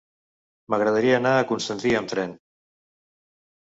M'agradaria anar a Constantí amb tren.